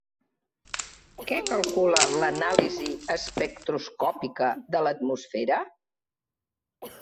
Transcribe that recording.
Què calcula l'anàlisi espectroscòpica de l'atmosfera?